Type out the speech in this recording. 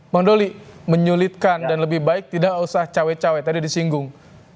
bang doli menyulitkan dan lebih baik tidak usah cawe cawe tadi disinggung